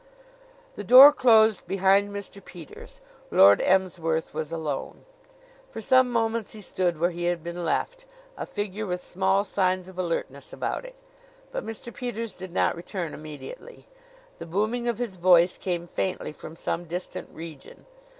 The door closed behind Mr. Peters. Lord Emsworth was alone. For some moments he stood where he had been left, a figure with small signs of alertness about it. But Mr. Peters did not return immediately. The booming of his voice came faintly from some distant region.